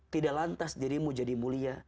tidak lantas dirimu jadi mulia